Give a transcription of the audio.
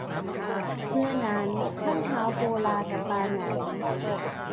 เมื่อนั้นท่านท้าวโปลากะปาหงัน